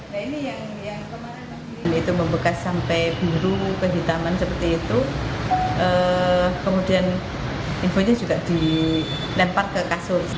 pertama seperti itu kemudian infonya juga dilempar ke kasus